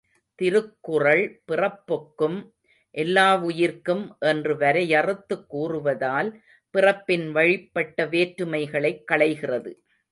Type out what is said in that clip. திருக்குறள் பிறப்பொக்கும் எல்லாவுயிர்க்கும் என்று வரையறுத்துக் கூறுவதால், பிறப்பின் வழிப்பட்ட வேற்றுமைகளைக் களைகிறது.